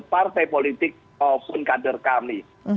partai politik maupun kader kami